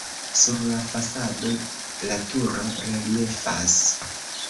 Sur la fasado la turo reliefas.